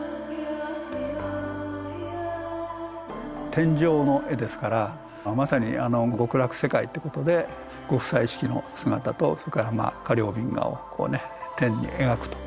天井の絵ですからまさに極楽世界っていうことで極彩色の姿とそれからまあ迦陵頻伽をこうね天に描くと。